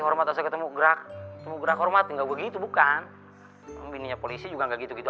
hormat asal ketemu grak grak hormat enggak begitu bukan minyak polisi juga gitu gitu